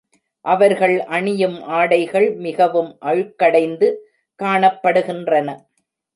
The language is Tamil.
அவர்கள் அணியும் ஆடைகள் மிகவும் அழுக்கடைந்து காணப்படுகின்றன.